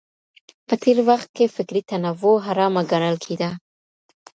په تېر وخت کي فکري تنوع حرامه ګڼل کېده.